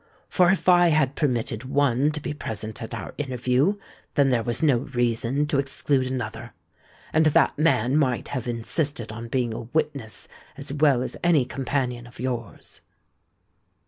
For if I had permitted one to be present at our interview, then there was no reason to exclude another; and that man might have insisted on being a witness as well as any companion of yours."